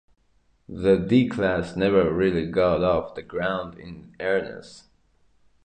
The D class never really got off the ground in earnest.